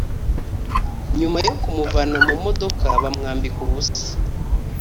nyuma yo kumuvana mu modoka bamwambika ubusa